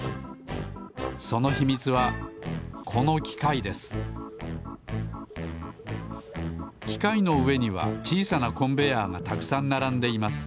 そのひみつはこのきかいですきかいのうえにはちいさなコンベヤーがたくさんならんでいます。